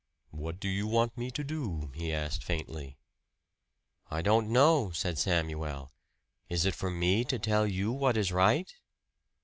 "What do you want me to do?" he asked faintly. "I don't know," said Samuel. "Is it for me to tell you what is right?"